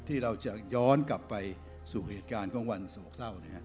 ที่เราจะย้อนกลับไปสู่เหตุการณ์ของวันโศกเศร้า